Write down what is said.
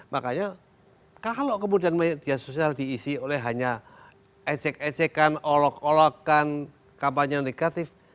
makanya kalau kemudian media sosial diisi oleh hanya ejek ejekan olok olokan kampanye negatif